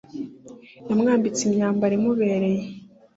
Yamwambitse imyambaro imubereye,